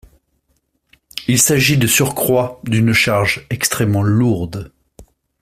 Il s’agit de surcroît d’une charge extrêmement lourde.